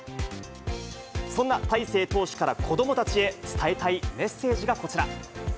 そんな大勢投手から子どもたちへ伝えたいメッセージがこちら。